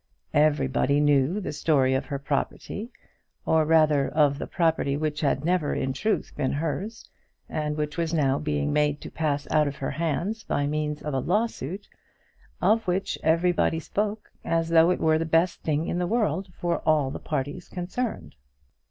Everybody knew the story of her property, or rather of the property which had never in truth been hers, and which was now being made to pass out of her hands by means of a lawsuit, of which everybody spoke as though it were the best thing in the world for all the parties concerned.